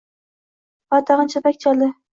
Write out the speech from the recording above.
va tag‘in chapak chaldi.